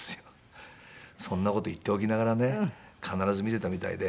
そんな事言っておきながらね必ず見てたみたいで。